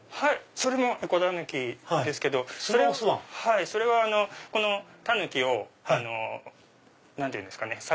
それもえこだぬきですけどそれはこのタヌキを何て言うんですかね。